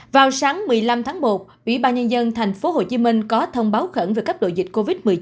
vào sáng một mươi năm tháng một ủy ban nhân dân tp hcm có thông báo khẩn về cấp độ dịch covid một mươi chín